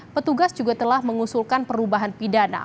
petugas juga telah mengusulkan perubahan pidana